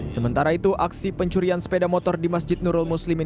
sementara itu aksi pencurian sepeda motor di masjid nurul muslimin